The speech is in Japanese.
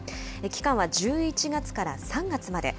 期間は１１月から３月まで。